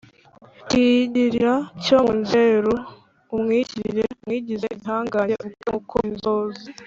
Kigirira cyo mu nzeru: umwigire, uwigize igihangange ubwe nk’uko inzuzi,